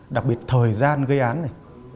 đặc biệt thời gian gây án này